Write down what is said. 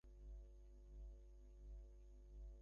ওহ, এক টেবিল চা চামচ, অবশ্যই।